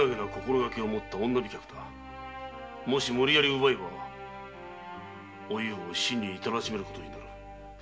もし無理やり奪えばおゆうを死に至らしめることになる。